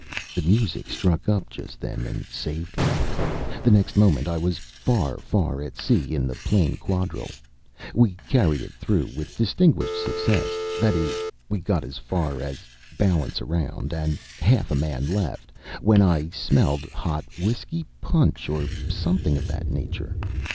The music struck up just then and saved me. The next moment I was far, far at sea in the plain quadrille. We carried it through with distinguished success; that is, we got as far as "balance around" and "half a man left," when I smelled hot whisky punch, or something of that nature.